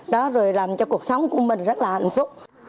đó rồi làm cho cuộc sống của mình rất là hạnh phúc